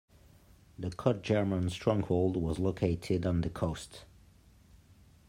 The Cod German stronghold was located on the coast.